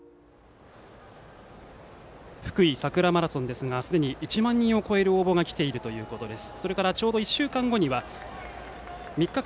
ふくい桜マラソンですがすでに１万人を超える応募が来ているということです。